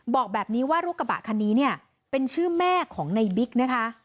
บอกแบบนี้ว่ารถกระบะคันนี้เนี่ยเป็นชื่อแม่ของในบิ๊กนะคะ